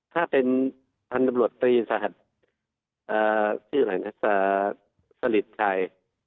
ถ้าเป็นท่านดำรวจตรีสถาบัติชื่ออะไรเนี่ยสฤษไทย